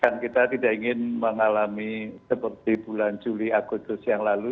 kan kita tidak ingin mengalami seperti bulan juli agustus yang lalu